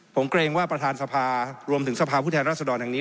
ผมเกรงว่าประธานสภารวมถึงสภาพผู้แทนรัศดรแห่งนี้